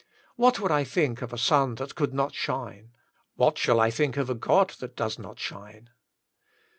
What would I think of a sun that could not shine 1 what shall I think of a God that does not shine